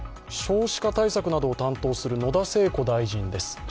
少子化対策などを担当する野田聖子大臣です。